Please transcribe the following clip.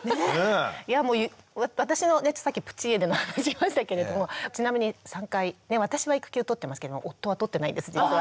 いやもう私のさっきプチ家出の話しましたけれどもちなみに３回私は育休を取ってますけれども夫は取ってないです実は。